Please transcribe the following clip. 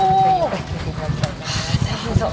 あ大変そう。